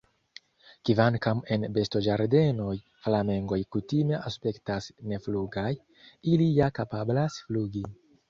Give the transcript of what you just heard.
Kvankam en bestoĝardenoj, flamengoj kutime aspektas neflugaj, ili ja kapablas flugi.